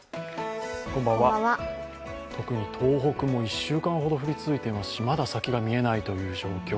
特に東北も１週間ほど降り続いていますし、まだ先が見えないという状況。